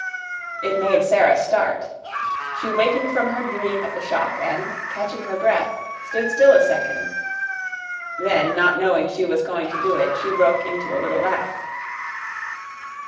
It made Sara start. She wakened from her dream at the shock, and, catching her breath, stood still a second. Then, not knowing she was going to do it, she broke into a little laugh.